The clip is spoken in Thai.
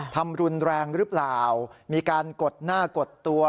ทำรุนแรงหรือเปล่ามีการกดหน้ากดตัว